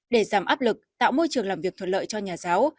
để giảm áp lực tạo môi trường làm việc thuận lợi cho nhà giáo